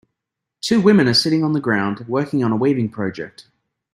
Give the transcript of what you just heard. Two women are sitting on the ground working on a weaving project.